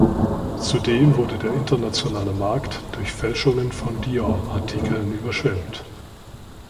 Zudem wurde der internationale Markt durch Fälschungen von Dior-Artikeln überschwemmt.